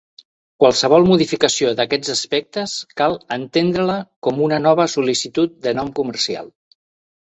Qualsevol modificació d'aquests aspectes cal entendre-la com una nova sol·licitud de nom comercial.